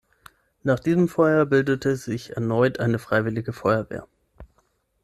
Nach diesem Feuer bildete sich erneut eine Freiwillige Feuerwehr.